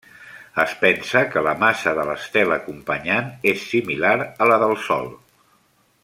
Es pensa que la massa de l'estel acompanyant és similar a la del Sol.